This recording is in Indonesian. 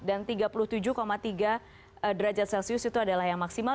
dan tiga puluh tujuh tiga derajat celcius itu adalah yang maksimal